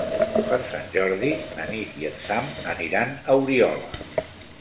Per Sant Jordi na Nit i en Sam aniran a Oriola.